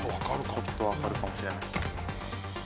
ちょっとわかるかもしれない。